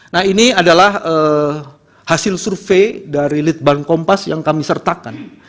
nah ini adalah hasil survei dari litbang kompas yang kami sertakan